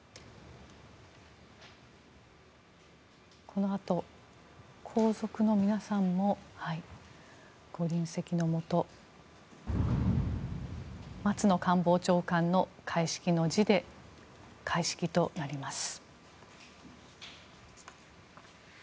このあと皇族の皆さんもご臨席のもと松野官房長官の開式の辞で開式となります。